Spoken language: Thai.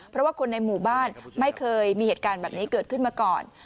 เพราะว่าคนในหมู่บ้านไม่เคยมีเหตุการณ์แบบนี้เกิดขึ้นมาก่อน